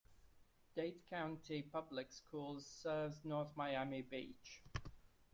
Dade County Public Schools serves North Miami Beach.